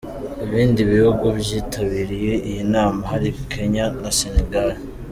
Ibindi bihugu byitabiriye iyi nama hari Kenya na Senegal.